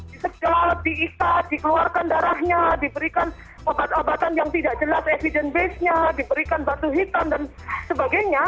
disegal diikat dikeluarkan darahnya diberikan obat obatan yang tidak jelas evidence base nya diberikan batu hitam dan sebagainya